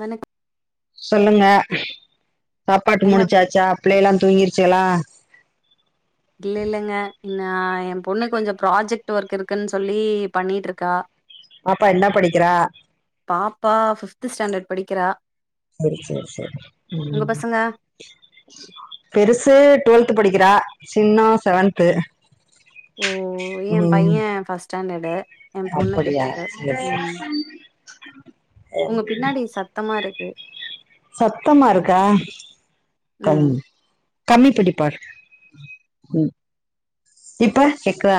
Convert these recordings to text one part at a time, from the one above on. வணக் சொல்லுங்க சாப்பாட்டு என்ன முடிச்சாச்சா பிள்ளைல்லா தூங்கிருச்சுகளா இல்ல இல்லங்க இன்னு எ பொண்ணு கொஞ்சோ ப்ராஜெக்ட் ஒர்க் இருக்குன் சொல்லி பண்ணிட்ருக்கா [inaudible] பாப்பா என்ன படிக்கிறா பாப்பா பிஃப்த்து ஸ்டாண்டர்ட் படிக்கிறா மெரி செரி செரி உங்க ம் பசங்க பெருசு டுவெல்த் படிக்கிறா சின்னவ் செவன்த்து ஓ எ ம் பைய ஃபர்ஸ்ட் ஸ்டாண்டர்டு எ பொண்ணு அப்படியா பிஃப்த்து உங்க பின்னாடி சத்தமா இருக்கு [unintelligible] சத்தமா இருக்கா ம் டைம் கம்மி படிப்பார் ம் இப்ப கெக்குதா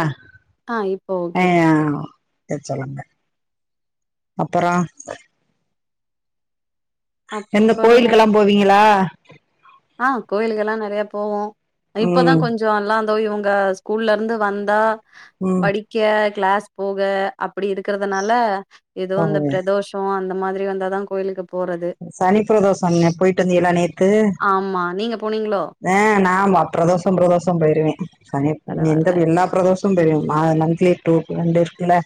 ஆ இப்போ ஓகே அய எ சொல்லுங்க அப்புறோ என்ன அப்பறோ கோயிலுக்கெல்லா போவீங்களா ஆ கோயிலுக்கல்லா நறைய போவோ இப்பதா ம் கொஞ் சோ எல்லா தோ இவுங்க ஸ்கூல்லருந்து வந்தா ம் படிக் க்க கிளாஸ் போக அப்டி இருக்கறதுனால ஏதோ இந்த போவீங்க பிரதோஷ் ஷோ அந்த மாதிரி வந்தாதா கோயிலுக்கு போறது சனிப்ரதோஷோ நேத் போய்ட்டு வந்தீகளா நேத் ஆமா நீங்க போனீங்ளோ ஆ நா அப் ப்ரதோஷோ ப்ரதோஷோ போய்ருவே சனிப் பரவால்ல. நிந்த எல்லா ப்ரதோஷ் ஷோ போயிருவே மா மந்த்லி டு ரெண்டு இர்க்குல்ல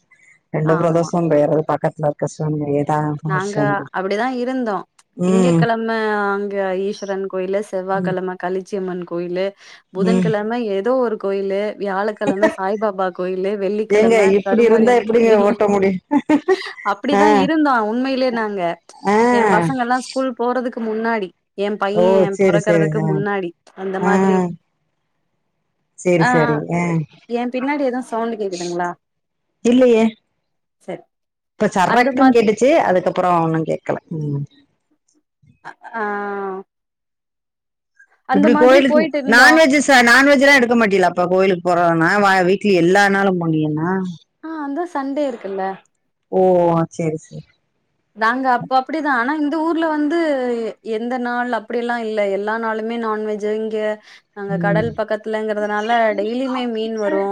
ரெண்டு ஆமா. ப்ரதோஷோ பேயிர்றது பக்கத்துல கஷ்டம் ஏதா [unintelligible] அப்டிதா இருந்தோ திங்க கெழம அங்க ஈஸ்வரன் கோயில்ல ம் செவ்வாகழம களிச்சியம்மன் கோயிலு ம் புதன்கெழம ஏதோ ஒரு கோயிலு வியாழக்கெழம சாய்பாபா கோயிலு வெள்ளிக்கழம கருமாரியம்மன் கோ யோ ஓட்ட முடி அப்டிதா இருந்தோ உண்மையிலே நாங்க ஆ ஏ பசங்கல்லா ஸ்கூல் போறதுக்கு முன்னாடி எ ஓ பைய சேரி சேரி பொறக்கறதுக்கு ஆ முன்னாடி அந்த ஆ மாதிரி சேரி ஆ ஆ சேரி எ பின்னாடி எதுவு சவுண்டு கேக்குதுங்ளா இல்லையே செர் இப்ப சரட்டுன் கேட்டுச்சு அதுக்கப்பறோ ஒன்னு கேட்கல ம் அ ஆவ் இப்டி கோயிலுக்கு போயிட்டு இருந்தோம். நான்வெஜுஸ் த்த நான்வெஜ்லா எடுக்க மாட்டிலாப்பா கோயிலுக் போறோனா வ வீ்க்லி எல்லா நாளு போனியின்னா ஆ அந்த சண்டே இருக்குல்ல ஓ ஆ சேரி சேரி நாங்க அப்ப அப்டிதா ஆனா இந்த ஊர்ல வந்து எ எந்த நாள் அப்டில்லா இல்ல எல்லா நாளுமே நான்வெஜ் ஜூ இங்க நாங்க கடல் ம் பக்கத்துலங்றதுனால டெய்லியுமே மீன் வரு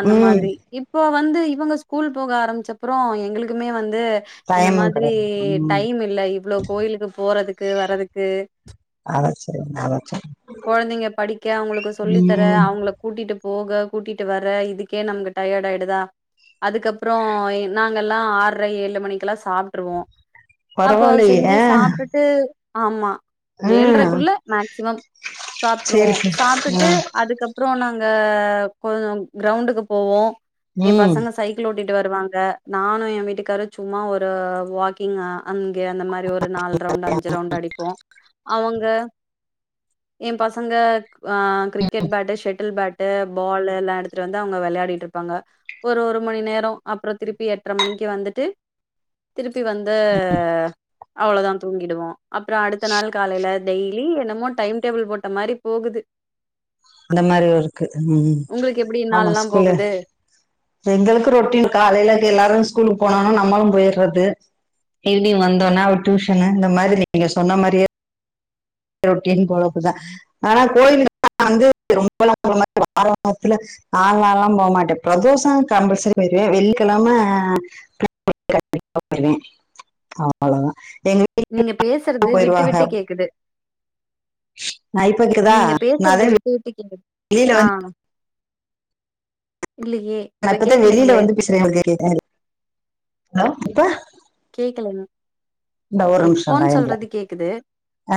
அந்த ம் மாதிரி இப் இப்போ வந்து இவுங்க ஸ்கூல் போக ஆரம்பிச்சப்றோ எங்களுக்குமே வந்து இந்த டைமும் மாதிரி கிடையாது ம் டைமில்ல இவ்ளோ கோயிலுக்கு போறதுக்கு வர்றதுக்கு அதான் சரி அதான் சரி கொழந்தைங்க படிக்க அவுங்ளுக்கு சொல்லித்தர ம் அவங்ள கூட்டிட்டு போக கூட்டிட்டு வர இதுக்கே நமக்கு டயர்டாயிடுதா அதுக்கப்றோ எ நா ங்களல்லா ஆர்ற ஏழு மணிக்லா சாப்ட்டுருவோ அப்போ செஞ்சு பரவாயில்லையே சாப்டுட் ட்டு ஆமா ம் ஏழ்றக்குள்ள மேக்சிமம் சாப்ட்டுருவோ சரி சரி சாப்டுட்டு ம் அதுக்க ப்றோ நாங்க கொஞ்சோ க்ரௌண்டுக்கு போவோ ஏ ம் பசங்க சைக் க்கிள் ஓட்டிட்டு வருவாங்க நானு எ வீட்டுக்காரு சும்மா ஒரு வாக்கிங்கா அங்கே அந்த மாரி ஒரு நால் ரவுண்ட் அஞ்சு ரவுண்ட் அடிப்போ அவுங்க எ பசங்க அ கிரிக்கெட் பேட்டு ஷெட்டில் பேட் டு பால்லெல்லா எடுத்துட்டு வந்து அவுங்க வெளையாடிட்ருப்பாங்க ஒரு ஒரு மணி நேரோ அப்றோ திருப்பி எட்ர மணிக்கி வந்துட்டு திருப்பி வந்த அவ்ளோதா தூங்கிடுவோ அப்றோ அடுத்த நாள் காலையில டெய்லி என்னமோ டைம் டேபிள் போட்ட மாரி போகுது அந்த மாரி ஒர்க்கு ம் உங்களுக்கு எப்டி ஆமா நாள்லா ஸ்கூல்லு போகுது எங்களுக்கு ரொட்டீன் காலையில எல்லாரு ஸ்கூலுக்கு போனோன்ன நம்மளு போயிட்றது ஈவ்னிங் வந்தவுட்னே அவர் டியூஷன்னு இந்த மாதிரி நீங்க சொன்ன மாரியே ரொட்டீன் பொழப்புதா ஆனா கோயிலுக் [inaudible] லாங்லா போமாட்டே பிரதோஷோ கம்பல்சரி போய்ருவே வெள்ளிக்கெழம [inaudible] கண்டிப்பா போயிருவே அவ்ளோதா எங்க வீட் நீங்க பேசறது விட்டு விட்டு கேக்குது நான் இப்ப கேக்குதா நீங்க நான் பேசறது அதான் விட்டு விட்டு கேக் வெளியில ஆ வந்து இல்லயே நா இப்பத்தா வெளில வந்து பேசுறே [inaudible] அலோ இப்ப கேக்கலங் இப்போன் சொல்றது கேக்குது ஆ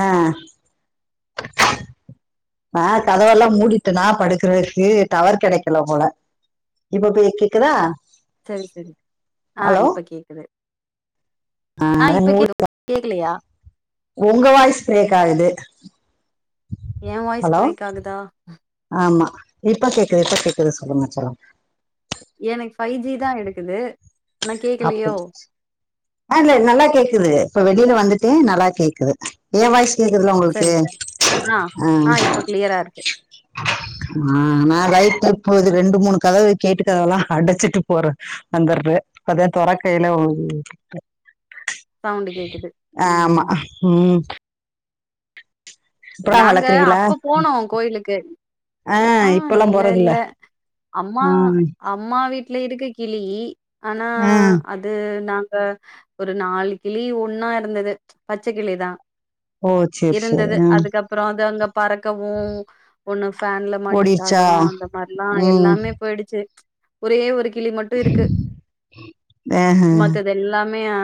ஆ கதவல்லா மூடிட்டனா படுக்கறதுக்கு டவர் கெடைக்கல போல இப்ப பே கேக்குதா செரி செரி ஆ ஹலோ இப்ப கேக்குது ஆஹ் மூடி கேக்கலயா உங்க வாய்ஸ் பிரேக் ஆகுது ஏ வாய்ஸ் ஹலோ பிரேக் ஆகுதா ஆமா இப்ப கேக்குது இப்ப கேக்குது சொல்லுங்க சொல்லுங் எனக்கு ஃபைவ் ஜி தா எடுக்குது ஆனா அப்ப கேக்கலையோ சேர் ஆ இல்ல நல்லா கேக்குது இப்ப வெளியில வந்துட்டே நல்லா கேக்குது ஏ வாய்ஸ் கேக்குதுல்ல உங்களுக்கு சரி சரி ஆ ஆ இப்ப கிளியரா இருக்கு ஆ ஆ நா வயத்து இப்போது ரெண்டு மூணு கதவு கேட்டு கதவெல்லா அடச்சிட்டு போறே வந்துற்றே அத தொறக்கயில ஒரு சவுண்டு கேக்குது ஆமா ம் ம் இப்பெல்லாம் நாங்க வளர்க்குறீங்களா அப்ப போனோ கோயிலுக்கு ஆ இல்ல இல்ல அம்மா ஆ அம்மா வீட்ல இருக்கு கிளி ஆனா அ அது நாங்க ஒரு நாலு கிளி ஒண்ணா இருந்தது பச்ச கிளிதா ஓ செர் செரி ஆ அப்பறம் அது அந்தப் பறக்கவும் ஒண்ணு ஃபேன்ல மாட்டி ஓடிடுச்சா சாகவூ அந்த மாரிலா ம் எல்லாமே போயிடுச்சு ஒரே ஒரு கிளி மட்டு இருக்கு ஆஹா. மத்ததெ ல்லாமே ஆ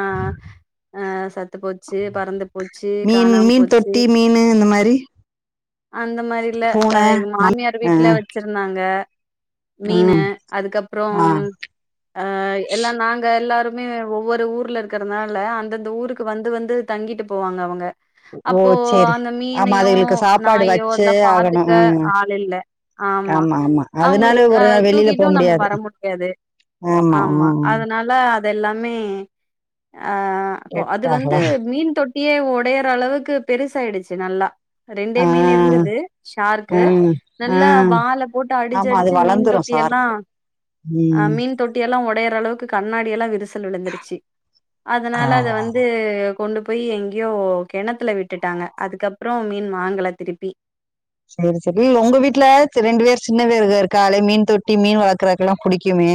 ஆ சத்து போச்சு பறந்து போச்சு காணாம போச்சு மீனு இந்த மாரி அந்த மாதிரில்ல அ எங்க நாய். மாமியார் ஆ, வீட்ல வச்சிருந்தாங்க மீனெ ம், அதுக்கப்புறோ ஆ ஆ எல்லா நாங்க எல்லாருமே ஒவ்வொரு ஊர்ல இருக்கறத்னால அந்தந்த ஊருக்கு வந்து வந்து தங்கிட்டு போவாங்க அவங்க அப்போ ஓச் செரி அந்த ஆமா மீனையோ அதுகளுக்கு சாப்பாடு நாயோ வச்சே அதெல்லா பாத்துக்க ஆகணும் அ ஆள் இல்ல ஆமா ஆமா அதனால அவங்களுக்கு அ ஒரு நா வெளியில தூக்கிட்டு போவ் நம்ம முடியாது வர ஆமா ஆ அததனால அதெல்லாமே அ இ அது வந்து கெட்டாகளா மீன் தொட் ட்டியே ஒடயற அளவுக்கு பெருசாயிடுச்சு நல்லா ரெண்டே ஆ மீன் இருந்தது ஷார்க்கு ம் ஆ நல்லா வால போட்டு அடிச்சு ஆமா அது அடிச்சு மீன் வளந்துரு தொட்டி எல்லா சார்க்கு அ ம் மீன் தொட்டி எல்லா ஒடையற அளவுக்கு கண்ணாடியெல்லா விரிசல் விழுந்துருச்சு அதனால அத ஆமா வந்து கொண்டு போய் எங்கேயோ கெணத்துல விட்டுட்டாங்க அதுக்கப்பறோ மீன் வாங்கல திருப்பி சேரி சேரி ஒங்க வீட்டுல ரெண்டு பேர் சின்ன பேருக இருக்காகளே மீன் தொட்டி மீன் வளக்கறதுக்கு எல்லா புடிக்குமே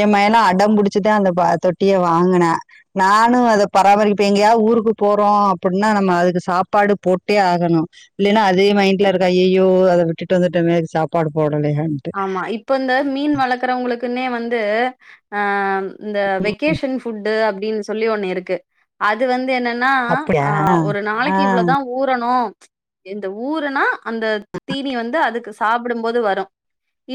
ஏ மயெல்லா அடம் புடிச்சுதா அந்த ப தொட்டிய வாங்கினா நானு அத பராமரிப்பே எங்கேயாவது ஊருக்கு போறோ அப்பின்னா நம்ம அதுக்கு சாப்பாடு போட்டே ஆகணு இல்லைனா அதே மைண்ட்ல இருக்கா ஐயயோ அத விட்டுட்டு வந்துட்டமே அதுக் சாப்பாடு போடலயே ஆமா இப்ப இந்த மீன் வளக்கறவுங்களுக்குன்னே வந்து அ ம் இந்த வெக்கேஷன் ஃபுட்டு அப்டின்னு சொல்லி ஒண்ணு இருக்கு அது வந்து என்னன்னா அப்டியா ஆ ஒரு ஆ நாளைக்கு இவ்வளதா ஊறணு இந்த ஊறனா அந்த தீனி வந்து அதுக்கு சாப்பிடுபோது வரு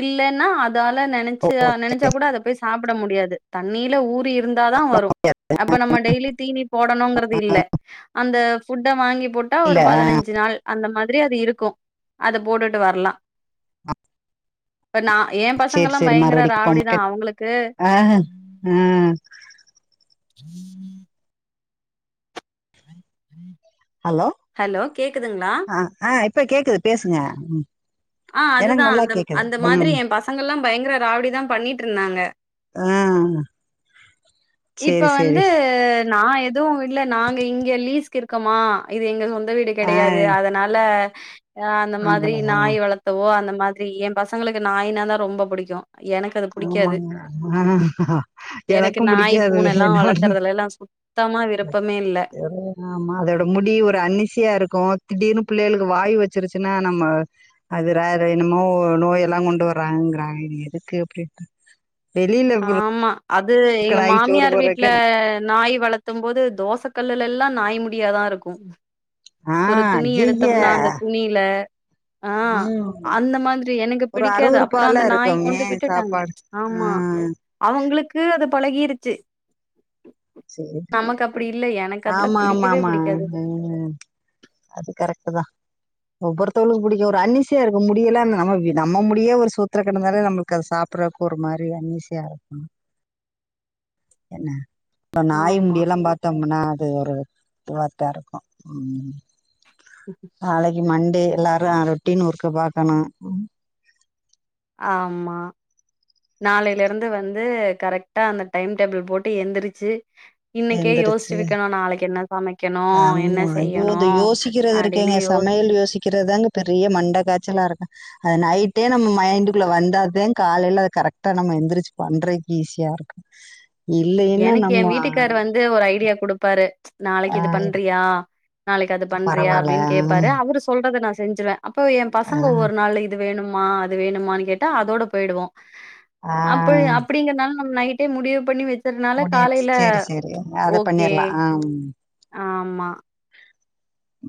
இல்லன்னா அதால ஓ நெனைச்சு ஓ, சரி, நெனைச்சா கூட அத போய் சாப்ட முடியாது தண்ணில ஊறி இருந்தாதா வரு அது அப்ப நம்ம டெய்லி தீனி போடணுங்கிறது இல்ல அந்த ஃபுட்ட வாங்கி போட்டா இல்ல ஒரு பதினஞ்சு நாள் அந்த மாதிரி அது இருக்கு அத போட்டுட்டு வரலா இப்ப நா எ சேரி பசங்கலா சேரி பயங்கர மறுபடிக்கு ராவடிதா போக அவுங்களுக்கு ஆ ஹ ஆ ஹலோ ஹலோ கேக்குதுங்களா ஆ ஆ இப்ப கேக்குது பேசுங்க ஆ எனக்கு அதுதா நல்லா அந்த கேக்குது அந்த மாதிரி ம் எ பசங்கள ல்லா பயங்கர ராவடி தா பண்ணிட்டு ருந்தாங்க ஆ இப்ப சேரி சேரி வந்து நா எதுவு இல்ல நாங்க இங்க லீஸ்க் இருக்கோமா இது எங்க சொந்த வீடு ஆ கெடையாது அதனால அ அந்த மாதிரி நாங்களா நாய் வளத் தவோ அந்த மாதிரி எ பசங்களுக்கு நாயின தா ரொம்ப பிடிக்கு எனக்கு அது புடிக்காது ஆமாங்க அ எனக்கும் பிடிக்காது பூனயெல்லா வளத்துறதுல எல்லா சுத்தமா விருப்பமே இல்ல ஆமா அதோட முடி ஒரு அன்னிசியா இருக்கு திடீர்னு பிள்ளைகளுக்கு வாயு வச்சிருச்சின்னா நம்ம அது ரேரு என்னமோ நோய் எல்லா கொண்டு வராங்கறாங்க எதுக்கு போயிட்டு வெளில விரு ஆமா அது எங்க மாமியார் வீட்ல நாய் வளத் தும் போது தோச கல்லுல எல்லா நாய் முடியாதா இருக்கு ஆ ஒரு துணி ஐய்யய்ய எடுத்தோம்னா அந்த துணில ஆ ம் அந்த மாதிரி எனக்கு ஒரு பிடிக்காது அப்பறோ அருவருப்பால அந்த நாய் இருக்குமே கொண்டு விட்டுட்டாங்க சாப்பாடு ஆ ஆமா அவுங்களுக்கு அது பழகிறிச்சு சேரி அப்டி இல்ல எனக்கு அதெல்லா ஆமா ஆமா பிடிக்கவே ஆமா பிடிக்காது ம் அது கரெக்ட்டு தா ஒவ்வெருத்தருவுளுக்கு புடிக்கு ஒரு அன்னிசையா இருக்கு முடியலா நம்ம நம்ம முடியே ஒரு சூத்திர கிடந்தாலே நம்மளுக்கு அத சாப் பிறக் ஒரு மாரி அன்னிசைய இருக்கு என்ன இப்ப நாய் ஆமா முடியெல்லா பாத்தோம்னா அது ஒரு இதுவாத்தா இருக்கு ம் ம் நாளெக்கு மண்டே எல்லாரு அ ரொட்டீன் ஒர்க்க பாக்கணு ஆமா நாளைல இருந்து வந்து கரக்ட்டா அந்த டைம் டேபிள் போட்டு எந்துருச்சு இன்னெக்கே யோச்சு எந்திரிச்சு வெக்கெணு நாளெக்கி என்ன சமக்கெணு என்ன ஆமா ஐயோ செய்யணு இது அட்டின்னு யோச் வெக்கெறதுதாங்க பெரிய மண்ட காச்சலா இருக்கு அது நைட்டே நம்ம மைண்டுக்குள்ள வந்தாதே காலேல அது கரக்ட்டா நம்ம எந்துருச்சு பண்றதுக்கு ஈஸியா இருக்கு இல்லைன்னா நம்ம இது ஒரு ஐடியா குடுப்பாரு நாளெக்கி இது ஆஹ் இப்ப பண்றியா நாளெக்கி அது பண்றியா பரவாயில்ல அப்பிடின்னு ஆ, கேப்பாரு அவரு சொல்றத நா செஞ்சுருவ அப்போ ஏ ஆ பசங்க ஒவ்வொரு நாள்ல இது வேணும்மா அது வேணும்மான்னு கேட்டா அதோட போய்டுவோ ஆ அப்புல் அப்பிடிங்கற்னால நம்ம நைட்டே முடிவு பண்ணி வெ சற்னால முடிச்சு காலேல்ல சேரி சேரி அத ஓகே பண்ணிர்லா ஆ ஆமா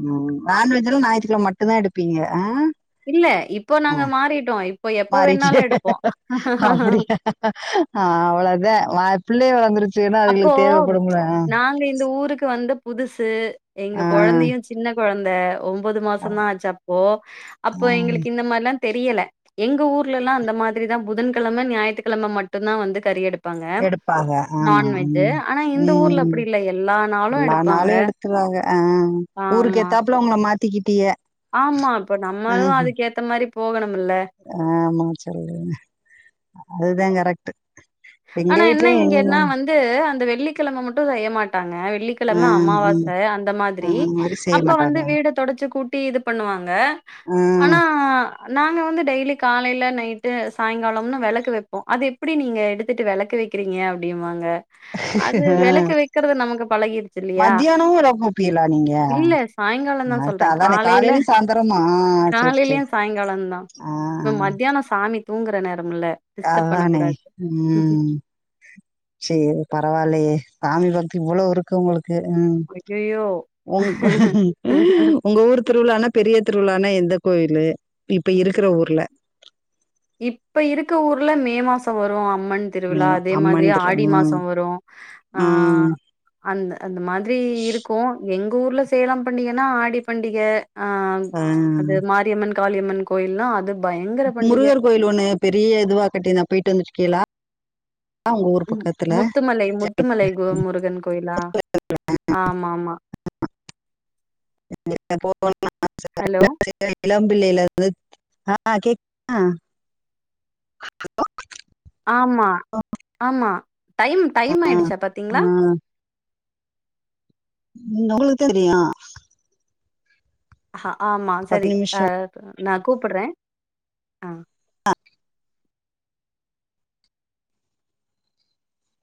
ம் நான்வெஜ் எல்லா ஞாய்த்துக்கிழம மட்டுந்தா எடுப்பீங்க ஆ இல்ல இப்போ ஆ நாங்க மாறிட்டோ இப்போ எப்ப மாறிச்சு வேண்னாலு எடுப்போ அப்டியா அவ்ளோதா வா பிள்ளெக வந்துரு அப்போ நாங்க இந்த ஊருக்கு வந்த புதுசு எங்க கொழந்தயு சின்ன கொழந்த ஒம்பொது ஆ மாசொந்தா ஆச்சு அப்போ ஆ அப்போ எங்களுக்கு இந்த மார்லா தெரியல எங்க ஊர்ல எல்லா அந்த மாதிரிதா புதன்கெழம ஞாயித்துக்கெழம மட்டுந்தா வந்து கறி எடு ப்பாங்க பாக ஆமா ம் ஊர்ல அப்படி இல்ல. எல்லா ம்ம்எல்லா நாளு எடுத்துற்றாங்க ஆ ஆ ஆ ஊருக்கு ஏத்தாப்புல உங்கள மாத்திக்கிட்டீக ஆமா இப்ப நம்மளு அதுக்கு ஏத்த மாரி போகணுமில்ல அ ஆமாங்க செரி உடுங்கங்க அதுதா கரக்ட்டு எங்க வீட்லயு இனிதா து அந்த வெள்ளிக்கெழம மட்டு செய்ய மாட்டாங்க ஆ வெள்ளிக்கெழம அமாவாச ம் அந்த ஆ மாதிரி அந்த மாரி செய்ய அப்ப வந்து மாட்டாங்க வீடு தொடச்சு கூட்டி இது பண்ணுவாங்க ஆ ஆனா நாங்க வந்து டெய்லி காலேல நைட்டு சாய்ங்காலொம்னு வெளக்கு வெப்போ அது எப்பிடி நீங்க எடு த்துட்டு வெளக்கு வெக்குறீங்க அப்டிம்பாங்க ஆ அது வௌக்கு வெக்கறது நமக்கு பழகிருச்சு இல்லயா மத்தியானமு ரவ உப்பியலா நீங்க இல்ல சாய்ங்காலோ தா அத்த சொல்ற அதானே காலேல காலையிலயு சாயந்தரமா சேரி காலேலயு சேரி சாய்ங்காலொந்தா ஆ இப்ப மத்யானோ சாமி தூங்குற நேரமில்ல டிஸ்டர்ப் பண்ண அதானே கூடாது ம் செரி பரவாலயே சாமி பக்தி இவ்ளோ இருக்கு உங்களு கு ம் ஐயய்யோ! உங் உங்க ஊரு திருவிழானா பெரிய திருவிழானா எந்த கோயிலு இப்ப இருக்குற ஊர்ல இப்ப இருக்க ஊர்ல மே மாசொ வரு அம்மன் மே திருவிழா அதே மாதிரி அம்மன் திரு ஆடி ம் மாசொம் வரு ஆ ம் அந்த அந்த மாதிரி இருக் கு எங்க ஊர்ல சேலம் பண்டிகன்னா ஆடி பண்டிக ஆ ஆ அது மா தி அம்மன் காளி அம்மன் கோயில்னா அது பயங்கர பண்டிக முருகர் கோயில் ஒன்னு பெரிய இதுவா கட்டி இருந்தா போய்ட்டு வந்துருக்கீகளா உங்க ஊர் மு பக்கத்துல முத்துமலை முத்துமலை கோ முருகன் கோயிலா ஆமா ஆமா ஹலோ [unintelligible] இளம்பிள்ளைலேருந்து ஆ கேக் [unintelligible] தா ஆமா ஆமா டைம் டைம் ஆயிடுச்சா பாத்தீங்களா ஆ உம் நெறய தேவயா அ ஆ மா பத்து சரி நிமிஷ அ நா கூப்றேன் அ